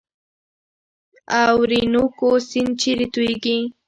اورینوکو سیند چیرې تویږي؟